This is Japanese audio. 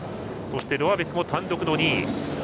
そして、ロアベックも単独２位。